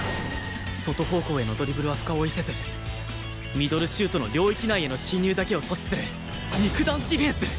外方向へのドリブルは深追いせずミドルシュートの領域内への侵入だけを阻止する肉弾ディフェンス！